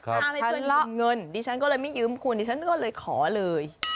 ถ้าไม่เคยยืมเงินดิฉันก็เลยไม่ยืมคุณดิฉันก็เลยขอเลย